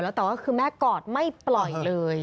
แต่ว่าคือแม่กอดไม่ปล่อยเลย